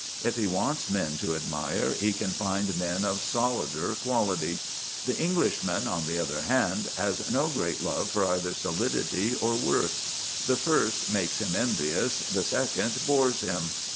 If he wants men to admire, he can find men of solider quality. The Englishman, on the other hand, has no great love for either solidity or worth; the first makes him envious; the second bores him.